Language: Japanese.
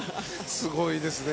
すごいですね。